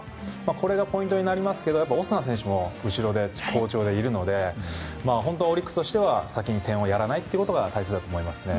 これがポイントになりますけどオスナ選手も後ろで好調でいるので本当はオリックスとしては先に点をやらないことが大切だと思いますね。